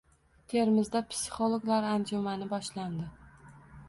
Termizda psixologlar anjumani boshlandi